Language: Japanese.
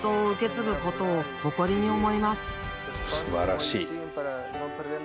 すばらしい。